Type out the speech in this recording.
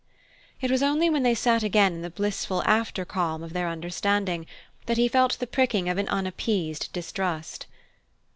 It was only when they sat again in the blissful after calm of their understanding, that he felt the pricking of an unappeased distrust.